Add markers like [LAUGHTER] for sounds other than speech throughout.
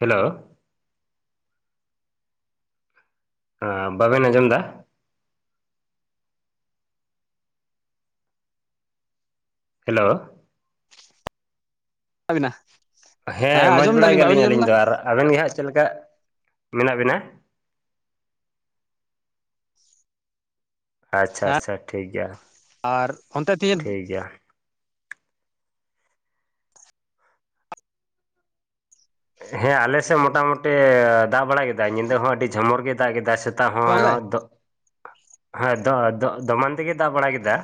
Hello, ᱵᱟᱵᱮᱱ ᱟᱸᱡᱚᱢ ᱫᱟ? ᱦᱮᱞᱳ, ᱵᱤᱱᱟ᱾ ᱦᱮᱸ ᱢᱚᱡᱽ ᱵᱟᱲᱟ ᱜᱮᱭᱟᱞᱤᱧ ᱟᱹᱞᱤᱧ ᱫᱚ ᱟᱨ ᱟᱵᱮᱱ ᱜᱮ ᱦᱟᱸᱜ ᱪᱮᱫ ᱞᱮᱠᱟ ᱢᱮᱱᱟᱜ ᱵᱤᱱᱟ? ᱟᱪᱪᱷᱟ ᱦᱮᱸ ᱟᱪᱪᱷᱟ ᱴᱷᱤᱠ ᱜᱮᱭᱟ᱾ ᱟᱨ ᱚᱱᱛᱮ ᱛᱤᱦᱤᱧ ᱴᱷᱤᱠ ᱜᱮᱭᱟ᱾ ᱦᱮᱸ ᱟᱞᱮᱥᱮᱫ ᱢᱚᱴᱟᱢᱩᱴᱤ ᱫᱟᱜ ᱵᱟᱲᱟ ᱠᱮᱫᱟᱭ ᱧᱤᱫᱟᱹ ᱦᱚᱸ ᱟᱹᱰᱤ ᱡᱷᱚᱢᱚᱨ ᱜᱮᱭ ᱫᱟᱜ ᱠᱮᱫᱟᱭ᱾ ᱥᱮ ᱫᱚ ᱫᱟᱭ ᱦᱚᱸ ᱦᱮᱸ ᱫᱚ ᱫᱚᱢᱟᱱ ᱛᱮᱜᱮ ᱫᱟᱜ ᱵᱟᱲᱟ ᱠᱮᱫᱟ᱾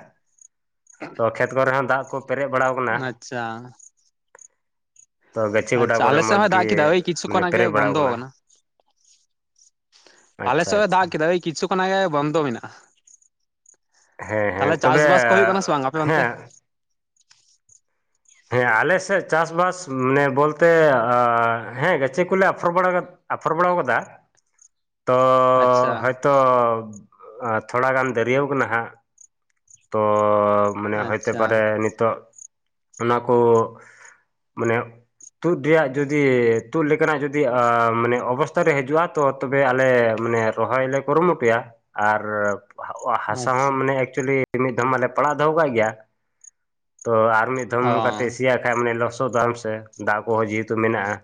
ᱛᱚ ᱠᱷᱮᱛ ᱠᱚᱨᱮ ᱦᱚᱸ ᱫᱟᱜ ᱠᱚ, ᱯᱮᱨᱮᱡ ᱵᱟᱲᱟᱣ ᱟᱠᱟᱱᱟ ᱟᱪᱪᱷᱟ᱾ ᱛᱚ ᱜᱟᱪᱷᱤ ᱜᱚᱰᱟ ᱟᱪᱪᱷᱟ ᱠᱚᱨᱮ ᱟᱞᱮ ᱥᱮᱫ ᱢᱚᱡᱽ ᱦᱚᱸᱭ ᱜᱮ ᱫᱟᱜ ᱠᱮᱫᱟ ᱳᱭ ᱠᱤᱪᱩ ᱢᱟᱱᱮ ᱠᱷᱚᱱ ᱟᱜᱮ ᱯᱮᱨᱮᱡ ᱵᱟᱲᱟᱣ ᱵᱚᱱᱫᱚ ᱟᱠᱟᱱᱟ ᱠᱟᱱᱟ᱾ ᱟᱞᱮ ᱟᱪᱪᱷᱟ ᱥᱮᱫ ᱦᱚᱭ ᱟᱪᱪᱷᱟ ᱫᱟᱜ ᱠᱮᱫᱟ ᱳᱭ ᱠᱤᱪᱷᱩ ᱠᱷᱚᱱ ᱟᱜᱮ ᱵᱚᱱᱫᱚ ᱢᱮᱱᱟᱜᱼᱟ᱾ ᱦᱮᱸ ᱦᱮᱸ ᱛᱟᱞᱦᱮ ᱛᱚᱵᱮ ᱪᱟᱥᱵᱟᱥ ᱠᱚ ᱦᱩᱭᱩᱜ ᱠᱟᱱᱟ ᱥᱮ ᱵᱟᱝ ᱟᱯᱮ ᱚᱱᱛᱮ? ᱦᱮᱸ ᱦᱮᱸ ᱟᱞᱮᱥᱮᱫ ᱪᱟᱥ ᱵᱟᱥ ᱢᱟᱱᱮ ᱵᱚᱞᱛᱮ ᱦᱮᱸ ᱜᱟᱪᱷᱤ ᱠᱚᱞᱮ ᱟᱯᱷᱨᱚ ᱵᱟᱲᱟᱫ, ᱟᱯᱷᱚᱨ ᱵᱟᱲᱟ ᱠᱟᱣᱫᱟ᱾ [UNINTELLIGIBLE] ᱛᱚ ᱟᱪᱪᱷᱟ ᱦᱚᱭᱛᱚ ᱛᱷᱚᱲᱟ ᱜᱟᱱ ᱫᱟᱹᱨᱭᱟᱹᱣ ᱠᱟᱱᱟ ᱦᱟᱸᱜ᱾ ᱛᱚ ᱢᱟᱱᱮ ᱦᱚᱭᱛᱮ ᱟᱪᱪᱷᱟ ᱯᱟᱨᱮ ᱱᱤᱛᱚᱜ ᱚᱱᱟ ᱠᱚ᱾ ᱢᱟᱱᱮ, ᱛᱩᱫ ᱨᱮᱭᱟᱜ ᱡᱩᱫᱤ ᱛᱩᱫ ᱞᱮᱠᱟᱱᱟᱜ ᱡᱩᱫᱤ ᱢᱟᱱᱮ ᱚᱵᱚᱥᱛᱟ ᱨᱮ ᱦᱤᱡᱩᱜᱼᱟ ᱛᱚ ᱛᱚᱵᱮ ᱟᱞᱮ ᱢᱟᱱᱮ, ᱨᱚᱦᱚᱭ ᱞᱮ ᱠᱩᱨᱩᱢᱩᱴᱩᱭᱟ ᱟᱨ ᱦᱟᱥᱟ ᱟᱪᱪᱷᱟ ᱦᱚᱸ ᱢᱟᱱᱮ ᱮᱠᱪᱩᱭᱮᱞᱤ ᱢᱤᱫ ᱫᱷᱚᱢ ᱢᱟᱞᱮ ᱯᱟᱲᱟᱜ ᱫᱚᱦᱚ ᱠᱟᱜ ᱜᱮᱭᱟ᱾ ᱛᱚ ᱟᱨ ᱢᱤᱫ ᱫᱷᱚᱢ ᱚ ᱠᱟᱛᱮ ᱥᱤᱭᱟᱜ ᱠᱷᱟᱭ ᱢᱟᱱᱮ ᱞᱚᱥᱚᱫᱟᱢ ᱥᱮ ᱫᱟᱜ ᱠᱚᱦᱚᱸ ᱡᱮᱦᱮᱛᱩ ᱢᱮᱱᱟᱜᱼᱟ᱾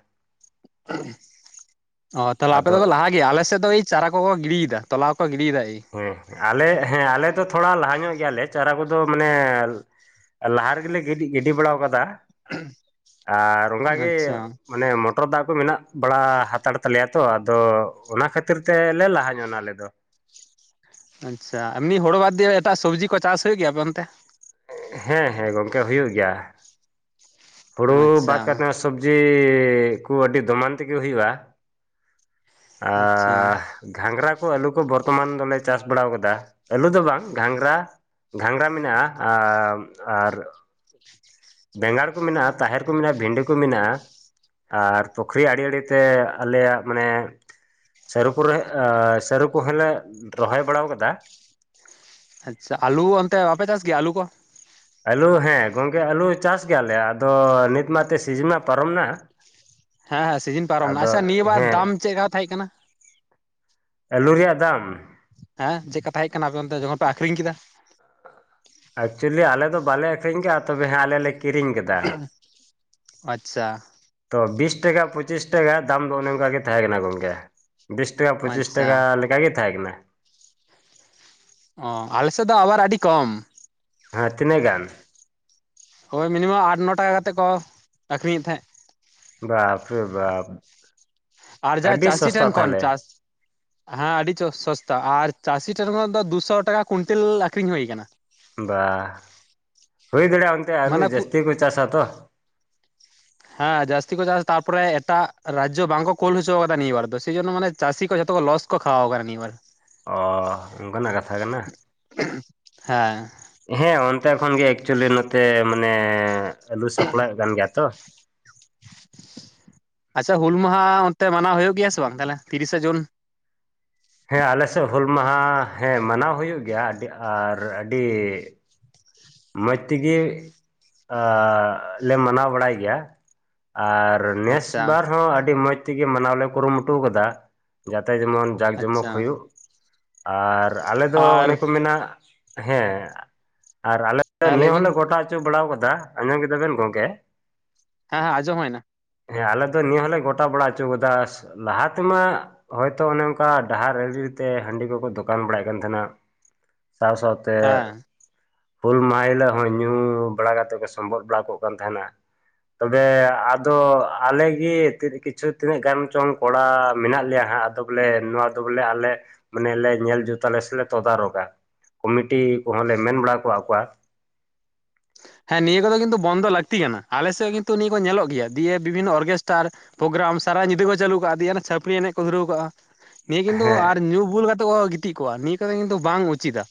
ᱚ ᱛᱟᱦᱚᱞᱮ ᱟᱯᱮ ᱫᱚᱯᱮ ᱟᱫᱚ ᱞᱟᱦᱟ ᱟᱞᱮᱥᱮᱫ ᱫᱚ ᱮᱭ ᱪᱟᱨᱟ ᱠᱚᱠᱚ ᱜᱤᱰᱤᱭᱫᱟ ᱛᱚᱞᱟ ᱠᱚᱠᱚ ᱜᱤᱰᱤᱭᱫᱟ ᱮᱭ᱾ ᱦᱩᱸ ᱟᱞᱮ ᱦᱮᱸ ᱟᱞᱮ ᱫᱚ ᱛᱷᱚᱲᱟ ᱞᱟᱦᱟ ᱧᱚᱜ ᱜᱮᱭᱟᱞᱮ ᱪᱟᱨᱟ ᱠᱚᱫᱚ ᱢᱟᱱᱮ, ᱞᱟᱦᱟ ᱨᱮᱜᱮᱞᱮ ᱜᱤᱰᱤ ᱜᱤᱰᱤ ᱵᱟᱲᱟᱣ ᱠᱟᱫᱟ ᱟᱨ ᱚᱱᱠᱟ ᱜᱮ ᱟᱪᱪᱷᱟ ᱢᱟᱱᱮ ᱴᱚᱨ ᱫᱟᱜ ᱠᱚ ᱢᱮᱱᱟᱜ ᱵᱟᱲᱟ ᱦᱟᱛᱟᱲ ᱛᱟᱞᱮᱭᱟ ᱛᱚ ᱟᱫᱚ ᱚᱱᱟ ᱠᱷᱟᱹᱛᱤᱨ ᱛᱮᱞᱮ ᱞᱟᱦᱟ ᱧᱚᱜᱱᱟ ᱟᱞᱮ ᱫᱚ᱾ ᱟᱪᱪᱷᱟ ᱮᱢᱱᱤ ᱦᱳᱲᱳ ᱵᱟᱫᱽ ᱫᱤᱭᱮ ᱮᱴᱟᱜ ᱥᱚᱵᱽᱡᱤ ᱠᱚ ᱪᱟᱥ ᱦᱩᱭᱩᱜ ᱜᱮᱭᱟ ᱟᱯᱮ ᱚᱱᱛᱮ? ᱦᱮᱸ ᱦᱮᱸ ᱜᱚᱝᱠᱮ ᱦᱩᱭᱩᱜ ᱜᱮᱭᱟ᱾ ᱦᱩᱲᱩ ᱟᱪᱪᱷᱟ ᱵᱟᱫ ᱠᱟᱛᱮ ᱥᱚᱵᱡᱤ ᱠᱚ ᱟᱹᱰᱤ ᱫᱚᱢᱟᱱ ᱛᱮᱜᱮ ᱦᱩᱭᱩᱜᱼᱟ᱾ ᱟᱪᱪᱷᱟ ᱟᱨ ᱜᱷᱟᱸᱝᱽᱨᱟ ᱠᱚ ᱟᱹᱞᱩ ᱠᱚ ᱵᱚᱨᱛᱚᱢᱟᱱ ᱫᱚᱞᱮ ᱪᱟᱥ ᱵᱟᱲᱟ ᱠᱟᱫᱟ ᱟᱹᱞᱩ ᱫᱚ ᱵᱟᱝ ᱜᱷᱟᱸᱝᱜᱽᱨᱟ᱾ ᱜᱷᱟᱸᱜᱽᱨᱟ ᱢᱮᱱᱟᱜᱼᱟ ᱟᱨ ᱵᱮᱸᱜᱟᱲ ᱠᱚ ᱢᱮᱱᱟᱜᱼᱟ ᱛᱟᱦᱮᱨ ᱠᱚ ᱢᱮᱱᱟᱜᱼᱟ ᱵᱷᱤᱰᱤ ᱠᱚ ᱢᱮᱱᱟᱜᱼᱟ ᱟᱨ ᱯᱩᱠᱷᱨᱤ ᱟᱲᱮ ᱟᱲᱮᱛᱮ ᱟᱞᱮᱭᱟᱜ ᱢᱟᱱᱮᱼᱼ ᱥᱟᱹᱨᱩ ᱠᱚ [UNINTELLIGIBLE] ᱥᱟᱹᱨᱩ ᱠᱚᱦᱚᱸ ᱞᱮ ᱨᱚᱦᱚᱭ ᱵᱟᱲᱟᱭ ᱟᱠᱟᱫᱟ ᱟᱪᱪᱷᱟ ᱟᱹᱞᱩ ᱚᱱᱛᱮ ᱵᱟᱯᱮ ᱪᱟᱥ ᱜᱮᱭᱟ ᱟᱹᱞᱩ ᱠᱚᱼᱼ ᱟᱹᱞᱩ ᱦᱮᱸ ᱜᱚᱝᱠᱮ ᱟᱹᱞᱩ ᱪᱟᱥ ᱜᱮᱭᱟᱞᱮ ᱟᱫᱚ ᱱᱤᱛ ᱢᱟᱛ ᱛᱚ ᱥᱤᱡᱤᱱᱟ ᱯᱟᱨᱚᱢ ᱮᱱᱟ ᱦᱮᱸ ᱦᱮᱸ ᱥᱤᱡᱤᱱ ᱯᱟᱨᱚᱢ ᱮᱱᱟ ᱟᱪᱪᱷᱟ ᱱᱤᱭᱟᱹ ᱵᱟᱨ ᱫᱟᱢ ᱦᱮᱸ ᱪᱮᱫ ᱞᱮᱠᱟ ᱛᱟᱦᱮᱸ ᱠᱟᱱᱟ ᱟᱹᱞᱩ ᱨᱮᱭᱟᱜ ᱫᱟᱢᱼᱼ ᱦᱮᱸ ᱪᱮᱫ ᱠᱟ ᱛᱟᱸᱦᱮ ᱠᱟᱱᱟ ᱟᱯᱮ ᱚᱱᱛᱮ ᱡᱚᱠᱷᱚᱱ ᱯᱮ ᱟᱠᱷᱨᱤᱧ ᱠᱮᱫᱟ ᱮᱠᱪᱩᱞᱤ ᱟᱞᱮ ᱫᱚ ᱵᱟᱞᱮ ᱟᱠᱷᱨᱤᱧ ᱠᱮᱫᱟ ᱛᱚᱵᱮ ᱦᱮᱸ ᱟᱞᱮᱞᱮ ᱞᱮ ᱠᱤᱨᱤᱧ ᱠᱮᱫᱟ ᱟᱪᱪᱷᱟ ᱛᱚ ᱵᱤᱥ ᱴᱟᱠᱟ ᱯᱚᱸᱪᱤᱥ ᱴᱟᱠᱟ ᱫᱟᱢ ᱫᱚ ᱚᱱᱮ ᱚᱱᱠᱟ ᱜᱮ ᱛᱟᱦᱮᱸ ᱠᱟᱱᱟ ᱜᱚᱝᱠᱮ ᱵᱤᱥ ᱴᱟᱠᱟ ᱯᱚᱸᱪᱤᱥ ᱟᱪᱪᱷᱟ ᱴᱟᱠᱟ ᱞᱮᱠᱟ ᱜᱮ ᱛᱟᱦᱮᱸ ᱠᱟᱱᱟ ᱚ ᱟᱞᱮ ᱥᱮᱫ ᱫᱚ ᱟᱵᱟᱨ ᱟᱹᱰᱤ ᱠᱚᱢᱼᱼ ᱦᱮᱸ ᱛᱤᱱᱟᱹᱜ ᱜᱟᱱ ᱦᱳᱭ ᱢᱤᱱᱤᱢᱟᱢ ᱟᱴ ᱱᱚ ᱴᱟᱠᱟ ᱠᱟᱛᱮᱫ ᱠᱚ ᱟᱹᱠᱷᱨᱤᱧ ᱮᱫ ᱛᱟᱦᱮᱸᱫ ᱵᱟᱯ ᱨᱮ ᱵᱟᱯᱼᱼ ᱟᱨ ᱡᱟ ᱪᱟᱹᱥᱤ ᱴᱷᱮᱱ ᱠᱷᱚᱱ ᱪᱟᱥᱼᱼ ᱦᱮᱸ ᱟᱹᱰᱤ ᱥᱚᱥᱛᱟ ᱟᱨ ᱪᱟᱹᱥᱤ ᱴᱷᱮᱱ ᱠᱷᱚᱱ ᱫᱚ ᱫᱩᱥᱚ ᱴᱟᱠᱟ ᱠᱩᱭᱱᱴᱮᱞ ᱟᱠᱷᱨᱤᱧ ᱦᱩᱭ ᱠᱟᱱᱟ ᱵᱟ ᱦᱩᱭ ᱫᱟᱲᱮᱭᱟᱜᱼᱟ ᱚᱱᱛᱮ ᱟᱹᱞᱩ ᱢᱟᱱᱮ ᱡᱟᱹᱥᱛᱤ ᱠᱚ ᱪᱟᱥᱟ ᱛᱚ ᱦᱮᱸ ᱡᱟᱹᱥᱛᱤ ᱠᱚ ᱪᱟᱥ ᱛᱟᱨᱯᱚᱨ ᱮᱴᱟᱜ ᱨᱟᱡᱽᱡᱚ ᱵᱟᱝ ᱠᱚ ᱠᱳᱞ ᱦᱚᱪᱚ ᱠᱟᱫᱟ ᱱᱤᱭᱟᱹ ᱵᱟᱨ ᱫᱚ ᱥᱮᱭ ᱡᱚᱱ ᱢᱟᱱᱮ ᱪᱟᱹᱥᱤ ᱠᱚ ᱡᱷᱚᱛᱚ ᱠᱚ ᱞᱚᱥ ᱠᱚ [UNINTELLIGIBLE] ᱚ ᱚᱝᱠᱟᱱᱟᱜ ᱠᱟᱛᱷᱟ ᱠᱟᱱᱟ ᱦᱮᱸ ᱦᱮᱸ ᱚᱱᱛᱮ ᱠᱷᱚᱱ ᱜᱮ ᱮᱠᱪᱩᱭᱮᱞᱤ ᱱᱚᱛᱮ ᱢᱟᱱᱮ ᱟᱹᱞᱩ ᱥᱟᱯᱞᱟᱭᱚᱜ ᱠᱟᱱ ᱜᱮᱭᱟ ᱛᱚ ᱟᱪᱪᱷᱟ ᱦᱩᱞ ᱢᱟᱦᱟ ᱚᱱᱛᱮ ᱢᱟᱱᱟᱣ ᱦᱩᱭᱩᱜ ᱜᱮᱭᱟ ᱥᱮ ᱵᱟᱝ ᱛᱟᱦᱞᱮ ᱛᱤᱨᱤᱥᱟ ᱡᱩᱱ ᱦᱮᱸ ᱟᱞᱮ ᱥᱮᱫ ᱦᱩᱞ ᱢᱟᱦᱟ ᱦᱮᱸ ᱢᱟᱱᱟᱣ ᱦᱩᱭᱩᱜ ᱜᱮᱭᱟ ᱟᱹᱰᱤ ᱟᱨ ᱟᱹᱰᱤᱼᱼ ᱢᱚᱡᱽ ᱛᱮᱜᱮ ᱟᱻ ᱞᱮ ᱢᱟᱱᱟᱣ ᱵᱟᱲᱟᱭ ᱜᱮᱭᱟ ᱟᱨᱼᱼ ᱟᱨ ᱱᱮᱥ ᱟᱪᱪᱷᱟ ᱵᱟᱨ ᱦᱚᱸ ᱟᱹᱰᱤ ᱢᱚᱸᱡᱽ ᱛᱮᱜᱮ ᱢᱟᱱᱟᱣ ᱞᱮ ᱠᱩᱨᱩᱢᱩᱴᱩ ᱟᱠᱟᱫᱟ ᱡᱟᱛᱮ ᱡᱮᱢᱚᱱ ᱡᱟᱠ ᱡᱚᱢᱚᱠ ᱟᱪᱪᱷᱟ ᱦᱩᱭᱩᱜ ᱟᱨ ᱟᱞᱮ ᱫᱚ ᱟᱨ ᱚᱱᱮ ᱠᱚ ᱢᱮᱱᱟᱜ ᱦᱮᱸ ᱟᱨ ᱟᱞᱮ ᱦᱮᱸ ᱞᱟᱹᱭ ᱱᱤᱭᱟᱹ ᱵᱤᱱ ᱦᱚᱞᱮ ᱜᱚᱴᱟ ᱦᱚᱪᱚ ᱵᱟᱲᱟ ᱟᱠᱟᱫᱟ ᱟᱸᱡᱚᱢ ᱠᱮᱫᱟ ᱵᱮᱱ ᱜᱚᱝᱠᱮ ᱦᱮᱸ ᱦᱮᱸ ᱚᱸᱡᱚᱢ ᱦᱩᱭᱱᱟ ᱦᱮᱸ ᱟᱞᱮ ᱫᱚ ᱱᱤᱭᱟᱹ ᱦᱚᱸᱞᱮ ᱜᱚᱴᱟ ᱵᱟᱲᱟ ᱦᱚᱪᱚ ᱠᱟᱫᱟ ᱞᱟᱦᱟ ᱛᱮᱢᱟ ᱦᱚᱭᱛᱚ ᱚᱱᱮ ᱚᱱᱠᱟ ᱰᱟᱦᱟᱨ ᱟᱲᱨᱤ ᱛᱮ ᱦᱟᱺᱰᱤ ᱠᱚᱠᱚ ᱫᱚᱠᱟᱱ ᱵᱟᱲᱟᱭ ᱮᱫ ᱠᱟᱱ ᱛᱟᱦᱮᱱᱟ ᱥᱟᱶ ᱥᱟᱶᱼᱼ ᱛᱮ ᱦᱮᱸ ᱦᱩᱞ ᱢᱟᱦᱟ ᱦᱤᱞᱳᱜ ᱦᱚᱸ ᱧᱩ ᱵᱟᱲᱟ ᱠᱟᱛᱮᱫ ᱠᱚ ᱥᱚᱢᱵᱚᱫ ᱵᱟᱲᱟ ᱠᱚᱜ ᱠᱟᱱ ᱛᱟᱦᱮᱱᱟ ᱛᱚᱵᱮ ᱟᱫᱚ ᱟᱞᱮ ᱜᱮ ᱠᱤᱪᱷᱩ ᱛᱤᱱᱟᱹᱜ ᱜᱟᱱ ᱪᱚᱝ ᱠᱚᱲᱟ ᱢᱮᱱᱟᱜ ᱞᱮᱭᱟ ᱦᱟᱸᱜ ᱛᱚ ᱵᱚᱞᱮ ᱱᱚᱣᱟ ᱫᱚ ᱵᱚᱞᱮ ᱟᱞᱮ ᱢᱟᱱᱮ ᱞᱮ ᱧᱮᱞ ᱡᱩᱛᱟᱞᱮ ᱥᱮᱞᱮ ᱛᱚᱫᱟᱨᱚᱜᱟ ᱠᱚᱢᱤᱴᱤ ᱠᱚᱦᱚᱸ ᱞᱮ ᱢᱮᱱ ᱵᱟᱲᱟ ᱠᱚᱣᱟᱜ ᱠᱚᱣᱟ ᱦᱮᱸ ᱱᱤᱭᱟᱹ ᱠᱚᱫᱚ ᱠᱤᱱᱛᱩ ᱵᱚᱱᱫᱚ ᱞᱟᱹᱠᱛᱤ ᱠᱟᱱᱟ ᱟᱞᱮ ᱥᱮᱫ ᱦᱚᱸ ᱠᱤᱱᱛᱩ ᱱᱤᱭᱟᱹ ᱠᱚ ᱧᱮᱞᱚᱜ ᱜᱮᱭᱟ ᱫᱤᱭᱮ ᱵᱤᱵᱷᱤᱱᱱᱚ ᱚᱨᱠᱮᱥᱴᱟᱨ ᱯᱨᱳᱜᱨᱟᱢ ᱥᱟᱨᱟ ᱧᱤᱫᱟᱹ ᱠᱚ ᱪᱟᱹᱞᱩ ᱠᱟᱜᱼᱟ ᱫᱤᱭᱮ ᱪᱷᱟᱯᱨᱤ ᱮᱱᱮᱡ ᱠᱚ ᱫᱷᱩᱨᱟᱹᱣ ᱠᱟᱜᱼᱟ ᱱᱤᱭᱟᱹ ᱠᱤᱱᱛᱩ ᱦᱮᱸ ᱟᱨ ᱧᱩ ᱵᱩᱞ ᱠᱟᱛᱮᱫ ᱠᱚ ᱜᱤᱛᱤᱡ ᱠᱚᱜ-ᱟ ᱱᱤᱭᱟᱹ ᱠᱚᱫᱚ ᱠᱤᱱᱛᱩ ᱵᱟᱝ ᱩᱪᱤᱛᱟ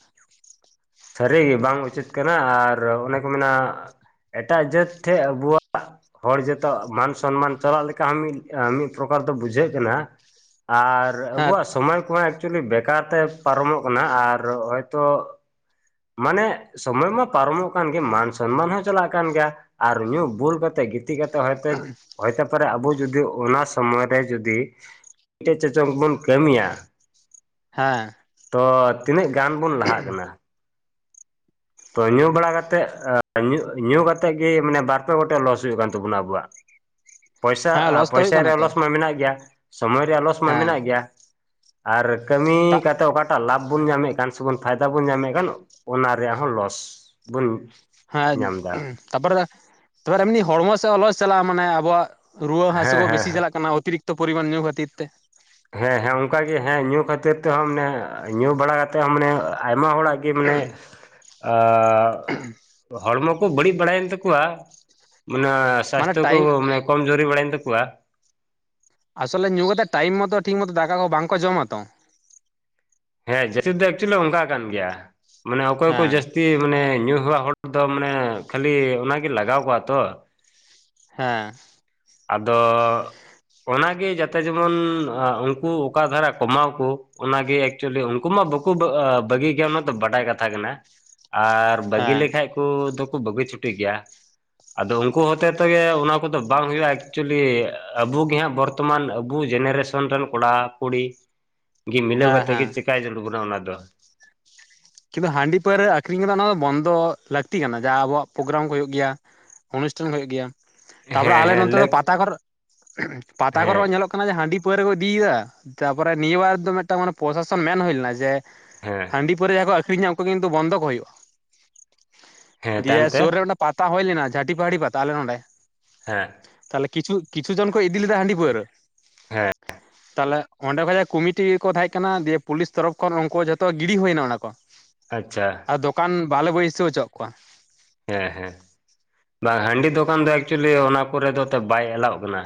ᱥᱟᱹᱨᱤ ᱜᱮ ᱵᱟᱝ ᱩᱪᱤᱛ ᱠᱟᱱᱟ ᱟᱨ ᱚᱱᱮ ᱠᱚ ᱢᱮᱱᱟ ᱮᱴᱟᱜ ᱡᱟᱹᱛ ᱴᱷᱮᱱ ᱟᱵᱚᱣᱟᱜ ᱦᱚᱲ ᱡᱚᱛᱚ ᱢᱟᱱ ᱥᱚᱱᱢᱟᱱ ᱪᱟᱞᱟᱜ ᱞᱮᱠᱟ ᱦᱚᱸ ᱢᱤᱫ ᱢᱤᱫ ᱯᱨᱚᱠᱟᱨ ᱫᱚ ᱵᱩᱡᱷᱟᱹᱜ ᱠᱟᱱᱟ ᱟᱨ ᱦᱮᱸ ᱟᱵᱚᱣᱟᱜ ᱥᱚᱢᱚᱭ ᱠᱚᱦᱚᱸ ᱮᱠᱪᱩᱭᱮᱞᱤ ᱵᱮᱠᱟᱨ ᱛᱮ ᱯᱟᱨᱚᱢᱚᱜ ᱠᱟᱱᱟ ᱟᱨ ᱦᱚᱭᱛᱳ ᱢᱟᱱᱮ ᱥᱚᱢᱚᱭ ᱢᱟ ᱯᱟᱨᱚᱢᱚᱜ ᱠᱟᱱ ᱜᱮ ᱢᱟᱱ ᱥᱚᱱᱢᱟᱱ ᱦᱚᱸ ᱪᱟᱞᱟᱜ ᱠᱟᱱ ᱜᱮᱭᱟ ᱟᱨ ᱧᱩ ᱵᱩᱞ ᱠᱟᱛᱮᱜ [UNINTELLIGIBLE] ᱜᱤᱛᱤᱡ ᱠᱟᱛᱮ ᱦᱚᱭᱛᱳ ᱦᱚᱭᱛᱳ ᱯᱟᱨᱮ ᱟᱵᱚ ᱡᱩᱫᱤ ᱚᱱᱟ ᱥᱚᱢᱚᱭ ᱨᱮ ᱡᱩᱫᱤᱼᱼ ᱢᱤᱫᱴᱮᱡ ᱪᱚ ᱪᱚᱝ ᱵᱚᱱ ᱠᱟᱹᱢᱤᱭᱟ ᱦᱮᱸ᱾ ᱛᱚ, ᱛᱤᱱᱟᱹᱜ ᱜᱟᱱ ᱵᱚᱱ ᱞᱟᱦᱟᱜ ᱠᱟᱱᱟ? ᱛᱚ ᱧᱩ ᱵᱟᱲᱟ ᱠᱟᱛᱮᱜ, ᱮᱸ ᱧᱩ-ᱧᱩ ᱠᱟᱛᱮᱜ ᱜᱮ ᱢᱟᱱᱮ ᱵᱟᱨᱯᱮ ᱜᱚᱴᱮᱡ ᱞᱚᱥ ᱦᱩᱭᱩᱜ ᱠᱟᱱ ᱛᱟᱵᱚᱱᱟ ᱟᱵᱚᱣᱟᱜ᱾ ᱯᱚᱭᱥᱟ, ᱦᱮᱸ ᱟ ᱞᱚᱥ ᱫᱚ ᱦᱩᱭᱩᱜ ᱯᱚᱭᱥᱟ ᱠᱟᱱᱟ ᱨᱮᱭᱟᱜ ᱛᱚ ᱞᱚᱥ ᱢᱟ ᱢᱮᱱᱟᱜ ᱜᱮᱭᱟ, ᱥᱚᱢᱚᱭ ᱨᱮᱭᱟᱜ ᱞᱚᱥ ᱢᱟ ᱦᱮᱸ ᱢᱮᱱᱟᱜ ᱜᱮᱭᱟ᱾ ᱟᱨ ᱠᱟᱹᱢᱤ ᱛᱟᱜ ᱠᱟᱛᱮ ᱚᱠᱟᱴᱟᱜ ᱞᱟᱵᱷ ᱵᱚᱱ ᱧᱟᱢᱮᱫ ᱠᱟᱱ ᱥᱮᱵᱚᱱ ᱯᱷᱟᱭᱫᱟ ᱵᱚᱱ ᱧᱟᱢᱮᱫ ᱠᱟᱱ ᱚᱱᱟ ᱨᱮᱭᱟᱜ ᱦᱚᱸ ᱞᱚᱥ ᱵᱚᱱ᱾ ᱦᱮᱸ ᱧᱟᱢ ᱮᱫᱟ ᱛᱟᱯᱚᱨᱮ, ᱯᱚᱨ ᱮᱢᱱᱤ ᱦᱚᱲᱢᱚ ᱥᱮᱫ ᱞᱚᱥ ᱪᱟᱞᱟᱜ-ᱟ ᱢᱟᱱᱮ ᱟᱵᱚᱣᱟᱜ ᱨᱩᱣᱟᱹ ᱦᱟᱹᱥᱩ ᱦᱮᱸ ᱠᱚ ᱦᱮᱸ ᱵᱮᱥᱤ ᱦᱮᱸ ᱪᱟᱞᱟᱜ ᱠᱟᱱᱟ ᱚᱛᱤᱨᱤᱠᱛᱚ ᱯᱚᱨᱤᱢᱟᱱ ᱧᱩ ᱠᱷᱟᱹᱛᱤᱨ ᱛᱮ᱾ ᱦᱮᱸ ᱦᱮᱸ ᱚᱝᱠᱟᱜᱮ ᱦᱮᱸ ᱧᱩ ᱠᱷᱟᱹᱛᱤᱨ ᱛᱮᱦᱚᱸ ᱢᱟᱱᱮ ᱧᱩ ᱵᱟᱲᱟ ᱠᱟᱛᱮᱜ ᱦᱚᱸ ᱢᱟᱱᱮ ᱟᱭᱢᱟ ᱦᱚᱲᱟᱜ ᱠᱤ ᱢᱟᱱᱮ ᱟᱻ ᱦᱚᱲᱢᱚ ᱠᱚ ᱵᱟᱹᱲᱤᱡ ᱵᱟᱲᱟᱭᱮᱱ ᱛᱟᱠᱚᱣᱟ ᱢᱟᱱᱮ ᱢᱟᱱᱮ ᱥᱟᱥᱛᱷᱚ ᱠᱚ, ᱴᱟᱭᱤᱢ ᱢᱟᱱᱮ᱾ ᱠᱚᱢ ᱡᱳᱨᱤ ᱵᱟᱲᱟᱭᱮᱱ ᱛᱟᱠᱚᱣᱟ᱾ ᱟᱥᱚᱞᱮ ᱧᱩ ᱠᱟᱛᱮᱫ ᱴᱟᱭᱤᱢ ᱢᱚᱛᱚ ᱴᱷᱤᱠ ᱢᱚᱛᱚ ᱫᱟᱠᱟ ᱠᱚ ᱵᱟᱝᱠᱚ ᱡᱚᱢᱟ ᱛᱚ᱾ ᱦᱮᱸ ᱡᱟᱹᱛᱤ ᱫᱚ ᱮᱠᱪᱩᱞᱤ ᱚᱱᱠᱟ ᱠᱟᱱ ᱜᱮᱭᱟ ᱢᱟᱱᱮ ᱚᱠᱚᱭ ᱠᱚ ᱦᱮᱸ ᱡᱟᱹᱥᱛᱤ᱾ ᱡᱮ, ᱢᱟᱱᱮ ᱧᱩ ᱦᱮᱣᱟᱜ ᱦᱚᱲ ᱫᱚ ᱢᱟᱱᱮ ᱠᱷᱟᱹᱞᱤ ᱚᱱᱟᱜᱮ ᱞᱟᱜᱟᱣ ᱠᱚᱣᱟ ᱛᱚ᱾ ᱦᱮᱸ᱾ ᱟᱫᱚᱻ ᱚᱱᱟᱜᱮ ᱡᱟᱛᱮ ᱡᱮᱢᱚᱱ ᱩᱝᱠᱩ ᱚᱠᱟ ᱫᱷᱟᱨᱟ ᱠᱚᱢᱟᱣ ᱠᱚ ᱚᱱᱟᱜᱮ᱾ ᱮᱠᱪᱩᱭᱮᱞᱤ ᱩᱱᱠᱩ ᱢᱟ ᱵᱟᱠᱚ ᱵᱟ, ᱟᱻ ᱵᱟᱹᱜᱤ ᱜᱮᱭᱟ ᱚᱱᱟᱛᱚ ᱵᱟᱰᱟᱭ ᱠᱟᱛᱷᱟ ᱠᱟᱱᱟ᱾ [INAUDIBLE] ᱟᱨ ᱵᱟᱹᱜᱤ ᱦᱮᱸ ᱞᱮᱠᱷᱟᱡ ᱠᱚ ᱫᱚᱠᱚ ᱵᱟᱹᱜᱤ ᱪᱷᱩᱴᱤ ᱜᱮᱭᱟ᱾ ᱟᱫᱚ ᱩᱱᱠᱩ ᱦᱚᱛᱮ ᱛᱮᱜᱮ ᱚᱱᱟ ᱠᱚᱫᱚ ᱵᱟᱝ ᱦᱩᱭᱩᱜ-ᱟ᱾ ᱮᱠᱪᱩᱭᱮᱞᱤ ᱟᱵᱚ ᱜᱮᱦᱟᱸᱜ ᱵᱚᱨᱛᱚᱢᱟᱱ ᱟᱵᱚ ᱡᱮᱱᱟᱨᱮᱥᱚᱱ ᱨᱮᱱ ᱠᱚᱲᱟ ᱠᱩᱲᱤ᱾ ᱜᱮ ᱢᱤᱞᱟᱹᱣ ᱦᱮᱸ ᱠᱟᱛᱮᱫ ᱜᱮ ᱦᱮᱸ ᱪᱮᱠᱟᱭ ᱡᱟᱹᱨᱩᱲ ᱵᱚᱱᱟ ᱚᱱᱟ ᱫᱚ᱾ ᱠᱤᱱᱛᱩ ᱦᱟᱺᱰᱤ ᱯᱟᱹᱣᱨᱟᱹ ᱟᱹᱠᱷᱚᱨᱤᱧ ᱠᱚᱫᱚ ᱚᱱᱟ ᱫᱚ ᱵᱚᱱᱫᱚ ᱞᱟᱹᱠᱛᱤ ᱠᱟᱱᱟ ᱡᱟᱦᱟᱸ ᱟᱵᱚᱣᱟᱜ ᱯᱨᱳᱜᱨᱟᱢ ᱠᱚ ᱦᱩᱭᱩᱜ ᱜᱮᱭᱟ᱾ ᱚᱱᱩᱥᱴᱷᱟᱱ ᱦᱩᱭᱩᱜ ᱜᱮᱭᱟ, ᱛᱟᱯᱚᱨᱮ ᱦᱮᱸ ᱟᱞᱮ ᱦᱮᱸ ᱱᱚᱛᱮ ᱫᱚ ᱞᱟᱹᱠ ᱯᱟᱛᱟ ᱠᱚᱨ, ᱯᱟᱛᱟ ᱠᱚᱨᱮ ᱦᱮᱸ ᱦᱚᱸ ᱧᱮᱞᱚᱜ ᱠᱟᱱᱟ᱾ ᱧᱮᱞᱚᱜ ᱠᱟᱱᱟ ᱦᱟᱺᱰᱤ ᱯᱟᱹᱣᱨᱟᱹ ᱠᱚ ᱤᱫᱤᱭᱮᱫᱟ ᱛᱟᱯᱚᱨᱮ ᱱᱤᱭᱟᱹ ᱵᱟᱨ ᱫᱚ ᱢᱤᱫᱴᱟᱝ ᱯᱨᱚᱥᱟᱥᱚᱱ ᱢᱮᱱ ᱦᱩᱭ ᱞᱮᱱᱟ ᱡᱮ, ᱦᱮᱸ ᱦᱟᱺᱰᱤ ᱯᱟᱹᱣᱨᱟᱹ ᱡᱟᱦᱟᱸᱭ ᱠᱚ ᱟᱹᱠᱷᱚᱨᱤᱧᱟ ᱩᱝᱠᱩ ᱠᱤᱱᱛᱩ ᱵᱚᱱᱫᱚ ᱠᱚ ᱦᱩᱭᱩᱜ-ᱟ᱾ ᱦᱮᱸ ᱫᱤᱭᱮ ᱛᱟᱭᱚᱢ ᱛᱮ ᱥᱩᱨ ᱨᱮ ᱚᱸᱰᱮ ᱯᱟᱛᱟ ᱦᱩᱭ ᱞᱮᱱᱟ, ᱡᱷᱟᱹᱴᱤ ᱯᱟᱦᱟᱹᱲᱤ ᱯᱟᱛᱟ ᱟᱞᱮ ᱱᱚᱸᱰᱮ᱾ ᱦᱮᱸ᱾ ᱛᱟᱞᱦᱮ ᱠᱤᱪᱷᱩ, ᱠᱤᱪᱷᱩ ᱡᱚᱱ ᱠᱚ ᱤᱫᱤ ᱞᱮᱫᱟ ᱦᱟᱺᱰᱤ ᱯᱟᱹᱣᱨᱟᱹ ᱦᱮᱸ ᱛᱟᱞᱮ᱾ ᱚᱸᱰᱮ ᱠᱷᱚᱡ ᱡᱟᱦᱟᱸ ᱠᱚᱢᱤᱴᱤ ᱠᱚ ᱛᱟᱦᱮᱸ ᱠᱟᱱᱟ ᱫᱤᱭᱮ ᱯᱩᱞᱤᱥ ᱛᱚᱨᱚᱯᱷ ᱠᱷᱚᱱ ᱩᱝᱠᱩ ᱡᱷᱚᱛᱚ ᱜᱤᱰᱤ ᱦᱩᱭᱱᱟ ᱚᱱᱟ ᱠᱚ᱾ ᱟᱪᱪᱷᱟ᱾ ᱟᱨ ᱫᱚᱠᱟᱱ ᱵᱟᱞᱮ ᱵᱟᱹᱭᱥᱟᱹᱣ ᱦᱚᱪᱚᱣᱟᱜ ᱠᱚᱣᱟ᱾ ᱦᱮᱸ ᱦᱮᱸ ᱵᱟ, ᱦᱟᱺᱰᱤ ᱫᱚᱠᱟᱱ ᱫᱚ ᱮᱠᱪᱩᱭᱮᱞᱤ ᱚᱱᱟ ᱠᱚᱨᱮ ᱫᱚ ᱛᱚ ᱵᱟᱭ ᱮᱞᱟᱣᱚᱜ ᱠᱟᱱᱟ᱾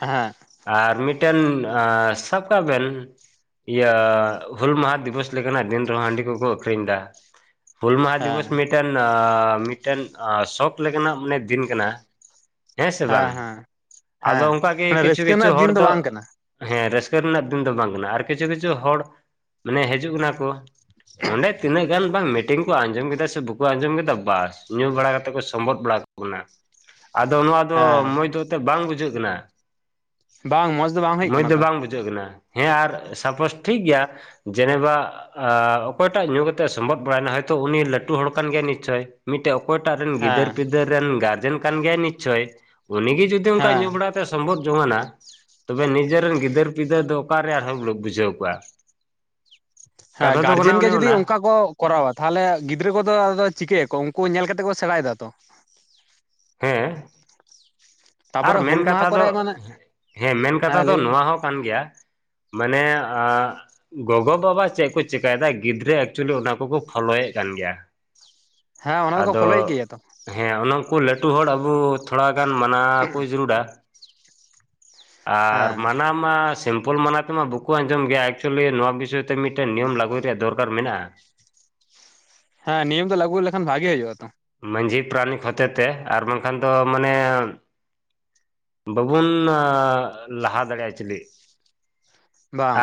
ᱦᱮᱸ᱾ ᱟᱨ ᱢᱤᱫᱴᱮᱱ ᱟᱸᱻ ᱥᱟᱵ ᱠᱟᱜ ᱵᱮᱱ ᱤᱭᱟᱹ ᱦᱩᱞ ᱢᱟᱦᱟ ᱫᱤᱵᱚᱥ ᱞᱮᱠᱟᱱᱟᱜ ᱫᱤᱱ ᱨᱮᱦᱚᱸ ᱦᱟᱺᱰᱤ ᱠᱚᱠᱚ ᱟᱹᱠᱷᱚᱨᱤᱧᱫᱟ᱾ ᱦᱩᱞ ᱢᱟᱦᱟ ᱦᱮᱸ ᱫᱤᱵᱚᱥ ᱢᱤᱫᱴᱮᱱ ᱟᱻ ᱢᱤᱫᱴᱮᱱ ᱟ ᱥᱚᱠ ᱞᱮᱠᱟᱱᱟᱜ ᱢᱟᱱᱮ ᱫᱤᱱ ᱠᱟᱱᱟ᱾ ᱦᱮᱸ ᱥᱮ ᱵᱟᱝ, ᱟᱫᱚ ᱦᱮᱸ ᱚᱝᱠᱟᱜᱮ ᱢᱟᱱᱮ ᱠᱤᱪᱷᱩ ᱨᱟᱹᱥᱠᱟᱹ ᱠᱤᱪᱷᱩ ᱨᱮᱱᱟᱜ ᱦᱚᱲ ᱫᱤᱱ ᱫᱚ ᱵᱟᱝ ᱠᱟᱱᱟ ᱦᱮᱸ ᱨᱟᱹᱥᱠᱟᱹ ᱨᱮᱱᱟᱜ ᱫᱤᱱ ᱫᱚ ᱵᱟᱝ ᱠᱟᱱᱟ ᱟᱨ ᱠᱤᱪᱷᱩ ᱠᱤᱪᱷᱩ ᱦᱚᱲ ᱢᱟᱱᱮ ᱦᱤᱡᱩᱜ ᱠᱟᱱᱟ ᱠᱚ᱾ ᱚᱸᱰᱮ ᱛᱤᱱᱟᱹᱜ ᱜᱟᱱ ᱵᱟᱝ ᱢᱤᱴᱤᱝ ᱠᱚ ᱟᱸᱡᱚᱢ ᱠᱮᱫᱟ ᱥᱮ ᱵᱟᱠᱚ ᱟᱸᱡᱚᱢ ᱠᱮᱫᱟ ᱵᱟᱥ ᱧᱩ ᱵᱟᱲᱟ ᱠᱟᱛᱮ ᱠᱚ ᱥᱚᱢᱵᱷᱚᱫ ᱵᱟᱲᱟ ᱵᱚᱱᱟ, ᱟᱫᱚ ᱱᱚᱣᱟ ᱫᱚ ᱦᱮᱸ ᱢᱚᱡᱽ ᱫᱚ ᱮᱱᱛᱮᱫ ᱵᱟᱝ ᱵᱩᱡᱷᱟᱹᱜ ᱠᱟᱱᱟ᱾ ᱵᱟᱝ ᱢᱚᱸᱡᱽ ᱫᱚ ᱵᱟᱝ ᱦᱩᱭᱩᱜ ᱠᱟᱱᱟ ᱛᱚ᱾ ᱵᱩᱡᱟᱹᱜ ᱠᱟᱱᱟ ᱦᱮᱸ ᱟᱨ ᱥᱟᱯᱳᱡ ᱴᱷᱤᱠ ᱜᱮᱭᱟ᱾ ᱡᱮᱱᱮᱵᱟ ᱚᱠᱚᱭᱴᱟᱜ ᱧᱩ ᱠᱟᱛᱮ ᱥᱚᱢᱵᱚᱫ ᱵᱟᱲᱟᱭᱮᱱᱟ ᱦᱚᱭᱛᱳ ᱩᱱᱤ ᱞᱟᱹᱴᱩ ᱦᱚᱲ ᱠᱟᱱ ᱜᱮᱭᱟᱭ ᱱᱤᱪ ᱪᱳᱭ ᱢᱤᱫᱴᱮᱱ ᱚᱠᱚᱭᱴᱟᱜ ᱨᱮᱱ ᱜᱤᱫᱟᱹᱨ ᱦᱮᱸ ᱯᱤᱫᱟᱹᱨ ᱨᱮᱱ ᱜᱟᱨᱡᱮᱱ ᱠᱟᱱ ᱜᱮᱭᱟᱭ ᱱᱤᱪ ᱪᱚᱭ ᱩᱱᱤ ᱜᱮ ᱡᱩᱫᱤ ᱚᱱᱠᱟ ᱧᱩ ᱦᱮᱸ ᱵᱟᱲᱟ᱾ ᱥᱚᱢᱵᱷᱚᱫ ᱡᱚᱢᱟᱱᱟ᱾ ᱛᱚᱵᱮ ᱱᱤᱡᱮᱨᱮᱱ ᱜᱤᱫᱟᱹᱨ ᱯᱤᱫᱟᱹᱨ ᱫᱚ ᱚᱠᱟᱨᱮ ᱟᱨᱦᱚᱸ ᱵᱩᱡᱷᱟᱹᱣ ᱠᱚᱣᱟ᱾ ᱦᱮᱸ ᱠᱟᱛᱷᱟ ᱫᱚ ᱠᱟᱱᱟ ᱜᱟᱨᱡᱮᱱ ᱜᱮ ᱚᱱᱮ ᱡᱩᱫᱤ ᱚᱱᱟ ᱚᱱᱠᱟ ᱠᱚ ᱠᱚᱨᱟᱣᱟ ᱛᱟᱦᱚᱞᱮ ᱜᱤᱫᱽᱨᱟᱹ ᱠᱚᱫᱚ ᱟᱫᱚ ᱪᱤᱠᱟᱹᱭᱟᱠᱚ ᱩᱱᱠᱩ ᱧᱮᱞ ᱠᱟᱛᱮ ᱠᱚ ᱥᱮᱬᱟᱭ ᱫᱟ ᱛᱚ ᱦᱮᱸ ᱟᱨ ᱛᱟᱯᱚᱨᱮ ᱢᱮᱱ ᱦᱩᱞ ᱠᱟᱛᱷᱟ ᱢᱟᱦᱟ ᱫᱚ ᱠᱚᱨᱮ ᱢᱟᱱᱮ ᱦᱮᱸ ᱢᱮᱱ ᱠᱟᱛᱷᱟ ᱫᱚ ᱞᱟᱹᱭ ᱵᱤᱱ ᱱᱚᱣᱟ ᱦᱚᱸ ᱠᱟᱱ ᱜᱮᱭᱟ ᱢᱟᱱᱮ ᱟᱜ᱾ ᱜᱚᱜᱚ ᱵᱟᱵᱟ ᱪᱮᱫ ᱠᱚ ᱪᱤᱠᱟᱭᱮᱫᱟ ᱜᱤᱫᱽᱨᱟᱹ ᱮᱠᱪᱩᱞᱤ ᱚᱱᱟ ᱠᱚᱠᱚ ᱯᱷᱳᱞᱳᱭᱮᱫ ᱠᱟᱱ ᱜᱮᱭᱟ᱾ ᱦᱮᱸ ᱚᱱᱟ ᱫᱚᱠᱚ ᱟᱫᱚ ᱯᱷᱳᱞᱳᱭᱮᱫ ᱜᱮᱭᱟ ᱛᱚ ᱦᱮᱸ ᱚᱱᱟᱠᱩ ᱞᱟᱹᱴᱩ ᱦᱚᱲ ᱟᱵᱩ ᱛᱷᱚᱲᱟᱜᱟᱱ ᱢᱟᱱᱟᱼᱼ ᱨᱩᱰᱟ ᱟᱨ ᱦᱮᱸ ᱢᱟᱱᱟ ᱢᱟ ᱥᱤᱢᱯᱚᱞ ᱢᱟᱱᱟ ᱛᱮᱢᱟ ᱵᱟᱠᱚ ᱟᱸᱡᱚᱢ ᱜᱮᱭᱟ ᱮᱠᱪᱩᱭᱮᱞᱤ ᱱᱚᱣᱟ ᱵᱤᱥᱚᱭ ᱛᱮ ᱢᱤᱫᱴᱮᱱ ᱱᱤᱭᱚᱢ ᱞᱟᱹᱜᱩᱭ ᱨᱮᱭᱟᱜ ᱫᱚᱨᱠᱟᱨ ᱢᱮᱱᱟᱜᱼᱟ ᱦᱮᱸ ᱱᱤᱭᱚᱢ ᱫᱚ ᱞᱟᱹᱜᱩᱭ ᱞᱮᱠᱷᱟᱱ ᱵᱷᱟᱜᱮ ᱦᱩᱭᱩᱜᱼᱟ ᱛᱚ ᱢᱟᱺᱡᱷᱤ ᱯᱟᱨᱟᱱᱤᱠ ᱦᱚᱛᱮ ᱛᱮ ᱟᱨ ᱵᱟᱝᱠᱷᱟᱱ ᱫᱚ ᱢᱟᱱᱮ ᱵᱟᱹᱵᱩᱱ ᱞᱟᱦᱟ ᱫᱟᱲᱮᱭᱟᱼᱟ ᱪᱮᱞᱮᱜ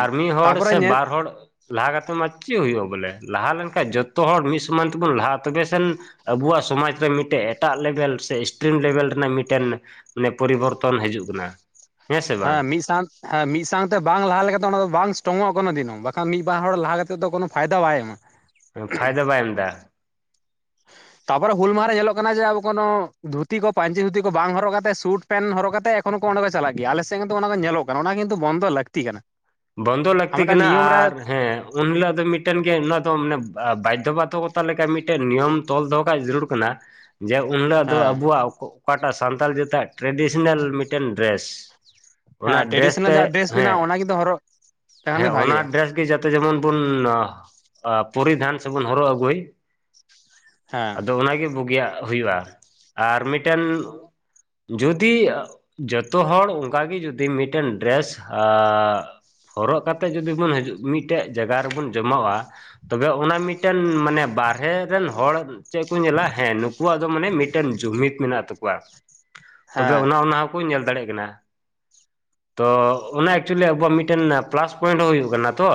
ᱟᱨ ᱢᱤᱫ ᱦᱚᱲ ᱛᱟᱯᱚᱨᱮ ᱥᱮ ᱧᱮᱞ ᱵᱟᱨ ᱦᱚᱲ ᱞᱟᱦᱟ ᱠᱟᱛᱮ ᱢᱟ ᱪᱮᱫ ᱦᱩᱭᱩᱜᱼᱟ ᱵᱚᱞᱮ, ᱞᱟᱦᱟ ᱞᱮᱱᱠᱷᱟᱱ ᱡᱚᱛᱚ ᱦᱚᱲ ᱢᱤᱫ ᱥᱟᱶᱛᱮ ᱛᱮᱵᱚᱱ ᱞᱟᱦᱟᱜᱼᱟ ᱛᱚᱵᱮ ᱥᱮᱱ ᱟᱹᱵᱚᱣᱟᱜ ᱥᱚᱢᱟᱡᱽ ᱨᱮ ᱢᱤᱫᱴᱮᱡ ᱮᱴᱟᱜ ᱞᱮᱵᱮᱞ ᱥᱮ ᱥᱴᱨᱤᱢ ᱞᱮᱵᱮᱞ ᱨᱮᱱᱟᱜ ᱢᱤᱫᱴᱮᱱ ᱱᱮ ᱯᱚᱨᱤᱵᱚᱨᱛᱚᱱ ᱦᱮᱡᱩᱜ ᱠᱟᱱᱟ ᱥᱮ ᱦᱮᱸ ᱵᱟᱝ ᱢᱤᱫ ᱥᱟᱶ ᱦᱮᱸ ᱢᱤᱫ ᱥᱟᱶᱝᱛᱮ ᱵᱟᱝ ᱞᱟᱦᱟ ᱞᱮᱱᱠᱷᱟᱱ ᱚᱱᱟ ᱫᱚᱵᱟᱝ ᱥᱴᱨᱚᱝᱚᱜᱼᱟ ᱠᱚᱱᱚ ᱫᱤᱱ ᱦᱚᱸ, ᱵᱟᱝᱠᱷᱟᱱ ᱢᱤᱫ ᱵᱟᱨ ᱦᱚᱲ ᱞᱟᱦᱟ ᱠᱛᱮᱫ ᱫᱚ ᱠᱳᱱᱳ ᱯᱷᱟᱭᱫᱟ ᱵᱟᱭ ᱮᱢᱟ ᱾ ᱯᱷᱟᱭᱫᱟ ᱵᱟᱭ ᱮᱢ ᱫᱟ ᱛᱟᱯᱚᱨᱮ ᱦᱩᱞ ᱢᱟᱦᱟ ᱨᱮ ᱧᱮᱞᱚᱜ ᱠᱟᱱᱟ ᱡᱮ ᱟᱵᱚ ᱠᱚᱱᱳ ᱫᱷᱩᱛᱤ ᱠᱚ ᱯᱟᱹᱧᱪᱤ ᱫᱷᱩᱛᱤ ᱠᱚ ᱵᱟᱝ ᱦᱚᱨᱚᱜ ᱠᱟᱛᱮ ᱥᱩᱴ ᱯᱮᱱ ᱦᱚᱨᱚᱜ ᱠᱟᱛᱮ ᱮᱠᱷᱚᱱ ᱦᱚᱸᱠᱚ ᱚᱸᱰᱮ ᱠᱚ ᱪᱟᱞᱟᱜ ᱜᱮᱭᱟ ᱟᱞᱮᱥᱮᱫ ᱫᱚ ᱠᱤᱱᱛᱩ ᱚᱱᱟ ᱠᱚ ᱧᱮᱞᱚᱜ ᱠᱟᱱᱟ ᱚᱱᱟ ᱠᱤᱱᱛᱩ ᱵᱚᱱᱫᱚ ᱞᱟᱹᱠᱛᱤ ᱠᱟᱱᱟ ᱵᱚᱱᱫᱚ ᱟᱨ ᱞᱟᱹᱠᱛᱤ ᱢᱤᱫᱴᱟᱝ ᱠᱟᱱᱟ ᱱᱤᱭᱚᱢ ᱨᱮ ᱟᱨ ᱦᱮᱸ, ᱩᱱ ᱦᱤᱞᱳᱜ ᱫᱚ ᱢᱤᱫᱴᱮᱱ ᱜᱮ ᱩᱱ ᱦᱤᱞᱚᱜ ᱫᱚ ᱢᱟᱱᱮ ᱵᱟᱫᱽᱫᱷᱚ ᱵᱟᱫᱽᱫᱷᱚᱠᱚᱛᱟ ᱞᱮᱠᱟ ᱢᱤᱫᱴᱮᱱ ᱱᱤᱭᱚᱢ ᱛᱚᱞ ᱫᱚᱦᱚ ᱠᱟᱜ ᱡᱟᱹᱨᱩᱲ ᱠᱟᱱᱟ ᱾ ᱡᱮ ᱩᱱ ᱦᱤᱞᱳᱜ ᱫᱚ ᱦᱮᱸ ᱟᱹᱵᱚᱣᱟᱜ ᱚᱠᱟᱴᱟᱜ ᱥᱟᱱᱛᱟᱞ ᱡᱟᱹᱛᱟᱜ ᱴᱨᱮᱰᱤᱥᱟᱱᱟᱞ ᱢᱤᱫᱴᱮᱱ ᱰᱨᱮᱥ ᱚᱱᱟ ᱰᱨᱮᱥ ᱛᱮ ᱦᱮᱸ ᱫᱚ ᱦᱚᱨᱚᱜ ᱞᱮᱠᱷᱟᱱ ᱜᱮ ᱦᱮᱸ ᱚᱱᱟ ᱵᱷᱟᱜᱮᱭᱟ ᱰᱨᱮᱥ ᱜᱮ ᱡᱟᱛᱮ ᱡᱮᱢᱚᱱ ᱵᱩᱱ ᱯᱚᱨᱤᱫᱷᱟᱱ ᱥᱮᱵᱚᱱ ᱦᱚᱨᱚᱜ ᱟᱹᱜᱩᱭ ᱾ ᱦᱮᱸ ᱟᱫᱚ ᱚᱱᱟᱜᱮ ᱵᱩᱜᱤᱭᱟᱜ ᱦᱩᱭᱩᱜᱼᱟ᱾ ᱟᱨ ᱢᱤᱫᱴᱮᱱ ᱡᱩᱫᱤ ᱡᱚᱛᱚ ᱦᱚᱲ ᱚᱱᱠᱟ ᱜᱮ ᱡᱩᱫᱤ ᱢᱤᱫᱴᱮᱱ ᱰᱨᱮᱥ ᱟᱨ ᱦᱚᱨᱚᱜ ᱠᱟᱛᱮᱫ ᱡᱩᱫᱤ ᱵᱚᱱ ᱦᱤᱡᱩᱜ ᱢᱤᱫᱴᱮᱡ ᱡᱟᱭᱜᱟ ᱨᱮᱵᱚᱱ ᱡᱚᱢᱟᱶᱟ ᱾ ᱛᱚᱵᱮ ᱚᱱᱟ ᱢᱤᱫᱴᱮᱱ ᱢᱟᱱᱮ ᱵᱟᱨᱦᱮ ᱨᱮᱱ ᱦᱚᱲ ᱪᱮᱫ ᱠᱚ ᱧᱮᱞᱟ ᱦᱮᱸ ᱱᱩᱠᱩᱣᱟᱜ ᱫᱚ ᱢᱟᱱᱮ ᱢᱤᱫᱴᱮᱱ ᱡᱩᱢᱤᱫ ᱢᱮᱱᱟᱜ ᱛᱟᱠᱚᱣᱟ ᱛᱚᱵᱮ ᱦᱮᱸ ᱚᱱᱟ ᱚᱱᱟ [UNINTELLIGIBLE] ᱧᱮᱞ ᱫᱟᱲᱮᱭᱟᱜ ᱠᱟᱱᱟ ᱛᱚ ᱚᱱᱟ ᱮᱠᱪᱩᱭᱮᱞᱤ ᱟᱵᱚᱣᱟᱜ ᱢᱤᱫᱴᱮᱱ ᱢᱤᱫᱴᱮᱱ ᱯᱞᱟᱥ ᱯᱚᱭᱮᱱᱴ ᱦᱚᱸ ᱦᱩᱭᱩᱜ ᱠᱟᱱᱟ ᱛᱚ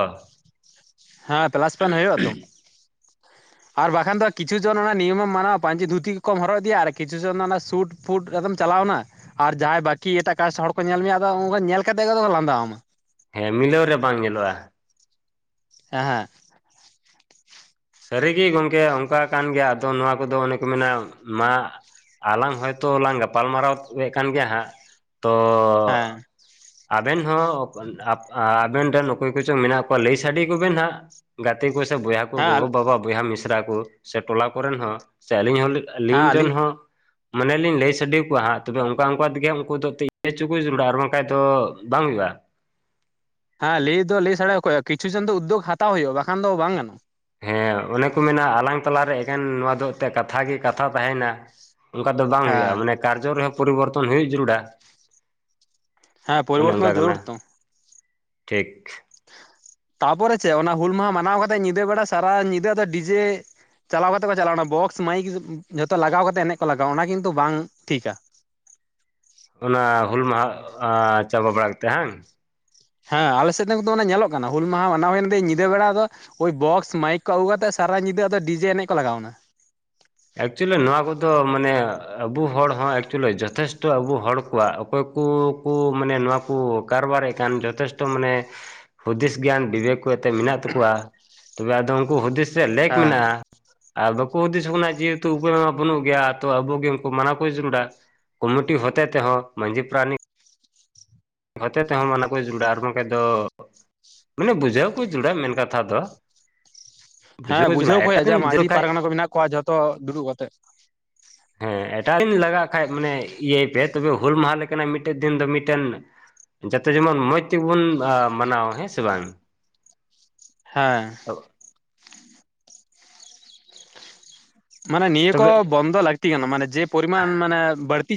ᱦᱮᱸ ᱯᱞᱟᱥ ᱯᱚᱭᱮᱱᱴ ᱦᱩᱭᱩᱜᱼᱟ ᱛᱚ ᱾ ᱟᱨ ᱵᱟᱠᱷᱟᱱ ᱫᱚ ᱠᱤᱪᱷᱩ ᱡᱚᱱ ᱚᱱᱟ ᱱᱤᱭᱚᱢᱮᱢ ᱢᱟᱱᱟᱣᱟ ᱯᱟᱹᱧᱪᱤ ᱫᱷᱩᱛᱤ ᱠᱚᱢ ᱦᱚᱨᱚᱜ ᱤᱫᱤᱭᱟ ᱟᱨ ᱠᱤᱪᱷᱩᱡᱚᱱ ᱫᱚ ᱚᱱᱟ ᱥᱩᱴ ᱯᱷᱩᱰ ᱠᱟᱛᱮᱛ ᱪᱟᱞᱟᱣᱮᱱᱟ ᱟᱨ ᱡᱟᱦᱟᱸᱭ ᱵᱟᱹᱠᱤ ᱮᱴᱟᱜ ᱠᱟᱥᱴ ᱦᱚᱲ ᱠᱚ ᱧᱮᱞ ᱢᱮᱭᱟ ᱟᱫᱚ ᱩᱱᱠᱩ ᱧᱮᱞ ᱠᱟᱛᱮ ᱜᱮᱛᱚ ᱠᱚ ᱞᱟᱸᱫᱟ ᱟᱢᱟ ᱾ ᱦᱮᱸ ᱢᱤᱞᱟᱹᱣ ᱨᱮ ᱵᱟᱝ ᱧᱮᱞᱚᱜᱼᱟ ᱾ ᱦᱮᱸ ᱦᱮᱸ ᱾ ᱥᱟᱹᱨᱤᱜᱮ ᱜᱚᱝᱠᱮ ᱚᱱᱠᱟ ᱠᱟᱱ ᱜᱮᱭᱟ ᱟᱫᱚ ᱱᱚᱣᱟ ᱠᱚᱫᱚ ᱚᱱᱮ ᱠᱚ ᱢᱮᱱᱟ ᱢᱟ ᱟᱞᱟᱝ ᱦᱚᱭᱛᱳ ᱞᱟᱝ ᱜᱟᱯᱟᱞᱢᱟᱨᱟᱣᱮᱫ ᱠᱟᱱ ᱜᱮᱭᱟ ᱦᱟᱸᱜ᱾ ᱛᱚ ᱦᱮᱸ ᱟᱵᱮᱱ ᱦᱚᱸ ᱟᱵᱮᱱ ᱴᱷᱮᱱ ᱚᱠᱚᱭ ᱠᱚᱪᱚᱝ ᱢᱮᱱᱟᱜ ᱠᱚᱣᱟ ᱞᱟᱹᱭ ᱥᱟᱰᱮ ᱠᱚᱵᱮᱱ ᱦᱟᱸᱜ ᱾ ᱜᱟᱛᱮ ᱠᱚ ᱥᱮ ᱵᱚᱭᱦᱟ ᱠᱚ, ᱦᱮᱸ ᱜᱚᱜᱚᱼᱵᱟᱵᱟ ᱵᱚᱭᱦᱟ ᱢᱤᱥᱨᱟ ᱠᱚ ᱥᱮ ᱴᱚᱞᱟ ᱠᱚᱨᱮᱱ ᱦᱚᱸ ᱥᱮ ᱟᱹᱞᱤᱧ ᱦᱮᱸ ᱟᱞᱤᱧ ᱨᱮᱱ ᱟᱹᱞᱤᱧ ᱦᱚᱸ ᱢᱚᱱᱮᱞᱤᱧ ᱞᱟᱹᱭ ᱥᱟᱰᱮᱠᱚᱣᱟ ᱛᱚᱵᱮ ᱚᱱᱠᱟ ᱚᱱᱠᱟ ᱛᱮᱜᱮ ᱩᱱᱠᱩ ᱫᱚ ᱤᱭᱟᱹ ᱪᱚᱠᱚ ᱡᱟᱹᱨᱩᱲᱟ ᱟᱨ ᱵᱟᱝᱠᱷᱟᱱ ᱫᱚ ᱵᱟᱝ ᱦᱩᱭᱩᱜᱼᱟ ᱦᱮᱸ ᱞᱟᱹᱭ ᱫᱚ ᱞᱟᱹᱭ ᱥᱟᱲᱟᱮᱭᱟᱠᱚᱼᱟ ᱦᱚᱭᱚᱜᱼᱟ ᱠᱤᱪᱷᱩ ᱡᱚᱱ ᱫᱚ ᱩᱫᱽᱫᱜᱽ ᱦᱟᱛᱟᱣ ᱦᱩᱭᱩᱜᱼᱟ ᱵᱟᱠᱷᱟᱱ ᱫᱚ ᱵᱟᱝ ᱜᱟᱱᱚᱜᱼᱟ ᱾ ᱦᱮᱸ ᱚᱱᱮ ᱠᱚ ᱢᱮᱱᱟ ᱟᱞᱟᱝ ᱛᱟᱞᱟᱨᱮ ᱮᱠᱮᱱ ᱱᱚᱣᱟ ᱫᱚ ᱠᱟᱛᱷᱟ ᱜᱮ ᱠᱟᱛᱷᱟ ᱛᱟᱦᱮᱱᱟ ᱾ ᱚᱱᱠᱟ ᱫᱚ ᱵᱟᱝ ᱦᱩᱭᱩᱜᱼᱟ ᱦᱮᱸ ᱢᱟᱱᱮ ᱠᱟᱨᱡᱚ ᱨᱮᱦᱚᱸ ᱯᱚᱨᱤᱵᱚᱨᱛᱚᱱ ᱦᱩᱭᱩᱜ ᱡᱟᱹᱨᱩᱲᱟ ᱦᱮᱸ ᱚᱱᱮ ᱯᱚᱨᱤᱵᱚᱨᱛᱚᱱ ᱚᱝᱠᱟ ᱡᱟᱹᱨᱩᱲ ᱠᱟᱱᱟ ᱛᱚ ᱴᱷᱤᱠ ᱛᱟᱯᱚᱨᱮ ᱪᱮᱫ ᱚᱱᱟ ᱦᱩᱞ ᱢᱟᱦᱟ ᱢᱟᱱᱟᱣ ᱠᱟᱛᱮᱫ ᱧᱤᱫᱟᱹ ᱵᱮᱲᱟ ᱥᱟᱨᱟ ᱧᱤᱫᱟᱹ ᱟᱫᱚ ᱰᱤᱡᱮ ᱪᱟᱞᱟᱣ ᱠᱟᱛᱮ ᱠᱚ ᱪᱟᱞᱟᱣ ᱮᱱᱟ ᱵᱚᱠᱥ ᱢᱟᱹᱭᱤᱠ ᱡᱷᱚᱛᱚ ᱞᱟᱜᱟᱣ ᱠᱟᱛᱮ ᱮᱱᱮᱡ ᱠᱚ ᱞᱟᱜᱟᱣ ᱮᱱᱟ ᱚᱱᱟ ᱠᱤᱱᱛᱩ ᱵᱟᱝ ᱴᱷᱤᱠᱟ ᱾ ᱚᱱᱟ ᱦᱩᱞ ᱢᱟᱦᱟ ᱪᱟᱵᱟ ᱵᱟᱲᱟ ᱠᱟ ᱠᱟᱛᱮᱫ ᱵᱟᱝ ᱦᱮᱸ ᱟᱞᱮ ᱥᱮᱫ ᱫᱚ ᱱᱤᱛᱩᱜ ᱧᱮᱞᱚᱜ ᱠᱟᱱᱟ ᱦᱩᱞ ᱢᱟᱦᱟ ᱢᱟᱱᱟᱣ ᱦᱩᱭᱮᱱ ᱛᱮ ᱧᱤᱫᱟᱹ ᱵᱮᱲᱟ ᱫᱚ ᱳᱭ ᱵᱚᱠᱥ ᱢᱟᱭᱤᱠ ᱠᱚ ᱟᱹᱜᱩ ᱠᱟᱛᱮᱫ ᱥᱟᱨᱟ ᱧᱤᱫᱟᱹ ᱟᱫᱚ ᱰᱤᱡᱮ ᱮᱱᱮᱡ ᱠᱚ ᱞᱟᱜᱟᱣ ᱮᱱᱟ ᱮᱠᱪᱩᱭᱮᱞᱤ ᱱᱚᱣᱟ ᱠᱚᱫᱚ ᱢᱟᱱᱮ ᱟᱵᱩ ᱦᱚᱲ ᱦᱚᱸ ᱮᱠᱪᱩᱭᱮᱞᱤ ᱡᱚᱛᱷᱮᱥᱴᱚ ᱟᱵᱩ ᱦᱚᱲ ᱠᱚᱣᱟᱜ ᱚᱠᱚᱭ ᱠᱩᱠᱩ ᱢᱟᱱᱮ ᱱᱚᱣᱟ ᱠᱚ ᱠᱟᱨᱵᱟᱨᱮᱫ ᱠᱟᱱ ᱡᱚᱛᱷᱮᱥᱴᱚ ᱢᱟᱱᱮ ᱦᱩᱫᱤᱥ ᱜᱮᱭᱟᱱ ᱵᱤᱵᱮᱠ ᱛᱮ ᱢᱮᱱᱟᱜ ᱛᱟᱠᱩᱣᱟ ᱛᱚᱵᱮ ᱩᱱᱠᱩ ᱦᱩᱫᱤᱥ ᱨᱮᱭᱟᱜ ᱞᱮᱠ ᱦᱮᱸ ᱢᱮᱱᱟᱜ-ᱟ ᱟᱨ ᱵᱟᱠᱩ ᱦᱩᱫᱤᱥ ᱵᱩᱱᱟ ᱡᱮᱦᱮᱛᱩ ᱩᱯᱟᱹᱭ ᱢᱟ ᱵᱟᱹᱱᱩᱜ ᱜᱮᱭᱟ ᱛᱚ ᱟᱵᱩ ᱜᱮ ᱩᱱᱠᱩ ᱢᱟᱱᱟᱣ ᱠᱚ ᱡᱟᱹᱨᱩᱲᱟ ᱠᱚᱢᱤᱴᱤ ᱦᱚᱛᱮ ᱛᱮᱦᱚᱸ ᱢᱟᱺᱡᱷᱤ ᱯᱨᱟᱱᱤᱠ ᱦᱚᱛᱮ ᱛᱮᱦᱚᱸ ᱢᱟᱱᱟ ᱠᱚ ᱡᱩᱲᱟ ᱟᱨ ᱵᱟᱝᱠᱷᱟᱡ ᱫᱚ ᱢᱟᱱᱮ ᱵᱩᱡᱷᱟᱹᱣ ᱠᱚ ᱡᱩᱲᱟ ᱢᱮᱱ ᱠᱟᱛᱷᱟ ᱫᱚ ᱦᱮᱸ ᱡᱟᱹᱨᱩᱲᱟ ᱵᱩᱡᱷᱟᱹᱣ ᱠᱚ ᱮᱴᱟᱜ ᱡᱟᱦᱟᱭ ᱫᱤᱱ ᱡᱟᱹᱨᱩᱲ ᱢᱟᱹᱡᱷᱤ ᱠᱷᱟᱡ ᱯᱟᱨᱜᱟᱱᱟ ᱠᱚ ᱢᱤᱱᱟᱜ ᱠᱚᱣᱟ ᱡᱷᱚᱛᱚ ᱫᱩᱲᱩᱵ ᱠᱟᱛᱮᱜ ᱦᱮᱸ ᱮᱴᱟᱜ ᱫᱤᱱ ᱞᱟᱜᱟᱜ ᱠᱷᱟᱡ ᱢᱟᱱᱮ ᱤᱭᱟᱹᱭ ᱯᱮ ᱛᱚᱵᱮ ᱦᱩᱞ ᱢᱟᱦᱟ ᱞᱮᱠᱟᱱᱟᱜ ᱢᱤᱫᱴᱮᱱ ᱫᱤᱱ ᱫᱚ ᱢᱤᱫᱴᱮᱱ ᱡᱟᱛᱮ ᱡᱮᱢᱚᱱ ᱢᱚᱡᱽ ᱛᱮᱜᱮᱵᱩᱱ ᱢᱟᱱᱟᱣᱟ ᱦᱮᱸᱥᱮ ᱵᱟᱝ ᱦᱮᱸ ᱢᱟᱱᱮ ᱱᱤᱭᱟᱹ ᱠᱚ ᱛᱚᱵᱮ ᱵᱚᱱᱫᱚ ᱞᱟᱹᱠᱛᱤ ᱠᱟᱱᱟ ᱢᱟᱱᱮ ᱡᱮ ᱯᱚᱨᱤᱢᱟᱱ ᱢᱟᱱᱮ ᱵᱟᱹᱲᱛᱤ